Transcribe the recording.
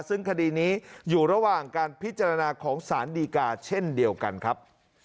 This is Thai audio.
ซึ่งคดีนี้อยู่ระหว่างการพิจารณาของสารดีกาเช่นเดียวกันครับ